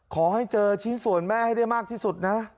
ขอให้เจอชิ้นส่วนแม่ให้ได้มากที่สุดนะ